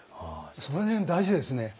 その辺大事ですね